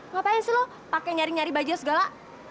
ngapain sih lo pake nyari nyari bajak segala